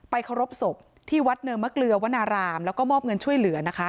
เคารพศพที่วัดเนินมะเกลือวนารามแล้วก็มอบเงินช่วยเหลือนะคะ